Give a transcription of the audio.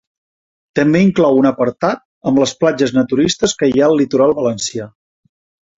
També inclou un apartat amb les platges naturistes que hi ha al litoral valencià.